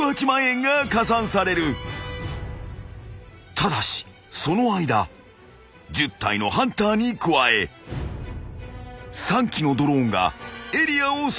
［ただしその間１０体のハンターに加え３機のドローンがエリアを捜索］